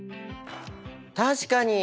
確かに。